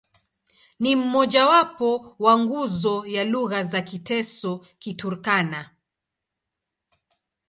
Ni mmojawapo wa nguzo ya lugha za Kiteso-Kiturkana.